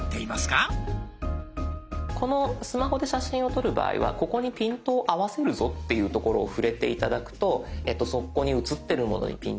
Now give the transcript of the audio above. このスマホで写真を撮る場合はここにピントを合わせるぞっていうところを触れて頂くとそこに写ってるものにピントが合います。